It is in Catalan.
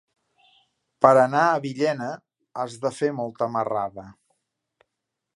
Per anar a Villena has de fer molta marrada.